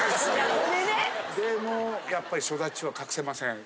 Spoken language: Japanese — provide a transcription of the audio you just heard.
でも、やっぱり育ちは隠せません。